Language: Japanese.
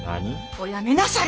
おやめなされ！